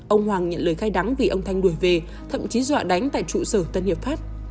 ông hoàng nhận lời khai đắng vì ông thanh đuổi về thậm chí dọa đánh tại trụ sở tân hiệp pháp